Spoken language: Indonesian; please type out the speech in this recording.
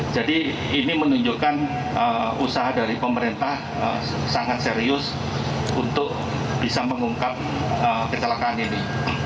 jadi ini menunjukkan usaha dari pemerintah sangat serius untuk bisa mengungkap kecelakaan ini